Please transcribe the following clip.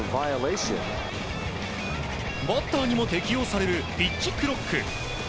バッターにも適用されるピッチクロック。